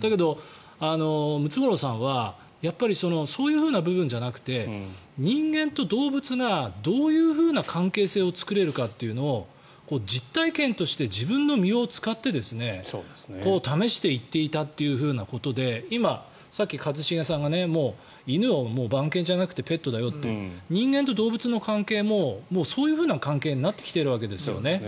だけど、ムツゴロウさんはそういう部分じゃなくて人間と動物がどういうふうな関係性を作れるかというのを実体験として自分の身を使って試していっていたということで今、さっき一茂さんが犬をもう、番犬じゃなくてペットだよと。人間と動物の関係ももうそういうふうな関係になってきているわけですよね。